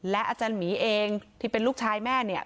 อาจารย์หมีเองที่เป็นลูกชายแม่เนี่ย